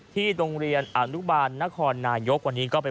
ที่โรงเรียนอันนุบาลนครนายกว่านี้